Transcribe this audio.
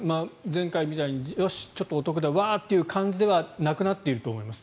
前回みたいによし、お得だワーッという感じではなくなっていると思います。